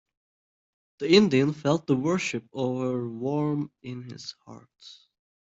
The Indian felt the worship of her warm in his heart.